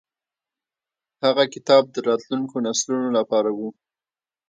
هغه کتاب د راتلونکو نسلونو لپاره و.